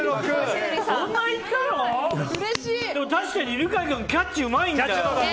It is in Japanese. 確かに犬飼君キャッチがうまいんだよ。